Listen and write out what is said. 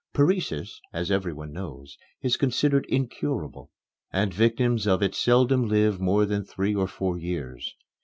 Paresis, as everyone knows, is considered incurable and victims of it seldom live more than three or four years.